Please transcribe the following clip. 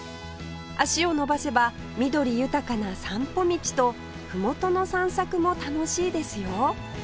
足を延ばせば緑豊かな散歩道とふもとの散策も楽しいですよ